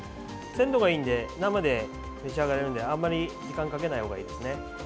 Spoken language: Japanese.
鮮度がよく生で召し上がれるのであんまり時間をかけないほうがいいですね。